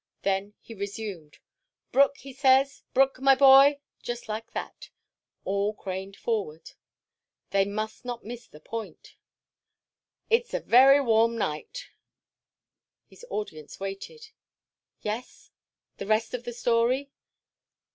Then he resumed. "Brooke, says he—Brooke, my boy"—just like that—all craned forward: they must not miss the point—"it's a very warm night." His audience waited. Yes? The rest of the story?